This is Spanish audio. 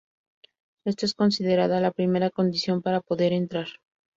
Esta es considerada la primera condición para poder entrar.